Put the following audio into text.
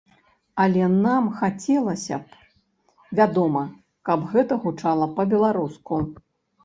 Але нам хацелася б, вядома, каб гэта гучала па-беларуску.